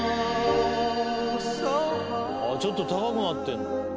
「あっちょっと高くなってるんだ」